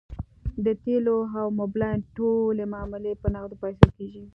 د تیلو او موبلاین ټولې معاملې په نغدو پیسو کیږي